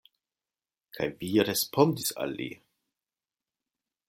Kaj vi respondis al li?